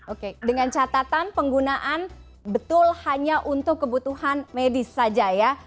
oke dengan catatan penggunaan betul hanya untuk kebutuhan medis saja ya